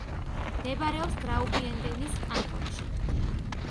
მდებარეობს გრაუბიუნდენის კანტონში.